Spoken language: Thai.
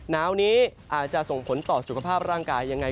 หนาวนี้อาจจะส่งผลต่อสุขภาพร่างกายยังไง